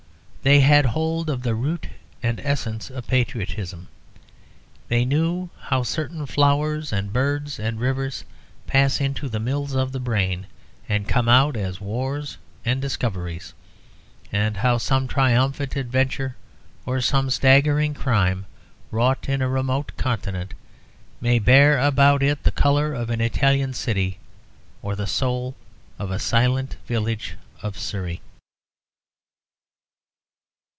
They had hold of the root and essence of patriotism. They knew how certain flowers and birds and rivers pass into the mills of the brain and come out as wars and discoveries, and how some triumphant adventure or some staggering crime wrought in a remote continent may bear about it the colour of an Italian city or the soul of a silent village of Surrey.